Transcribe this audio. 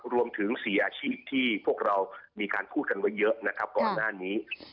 รวมถึง๔อาชีพที่พวกเรามีการพูดกันไว้เยอะนะครับก่อนหน้านี้